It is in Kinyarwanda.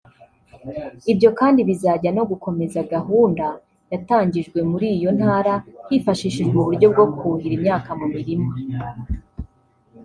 Ibyo kandi bizajya no gukomeza gahunda yatangijwe muri iyo ntara hifashishijwe uburyo bwo kuhira imyaka mu murima